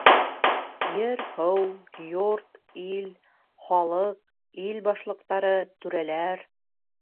Ер-һыу, йорт-ил, халыҡ, ил башлыҡтары, түрәләр